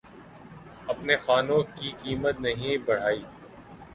اپنے کھانوں کی قیمت نہیں بڑھائی